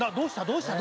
どうした？